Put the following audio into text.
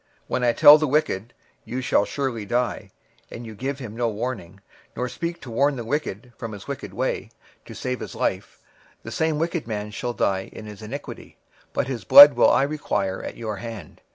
26:003:018 When I say unto the wicked, Thou shalt surely die; and thou givest him not warning, nor speakest to warn the wicked from his wicked way, to save his life; the same wicked man shall die in his iniquity; but his blood will I require at thine hand.